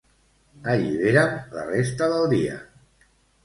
Allibera'm la resta del dia.